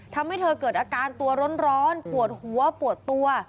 ทำให้เธอเกิดอาการตัวร้อนปวดหัวปวดตัว